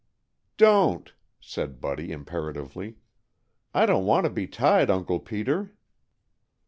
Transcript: "Don't!" said Buddy imperatively. "I don't want to be tied, Uncle Peter."